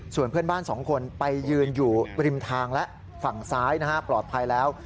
ส่วนเพื่อนบ้าน๒คนไปยืนอยู่ริมทางและฝั่งซ้ายปลอดภัยแล้ว